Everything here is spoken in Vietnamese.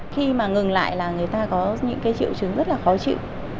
khi mà ngừng lại là người ta có những cái triệu chứng rất là khó chịu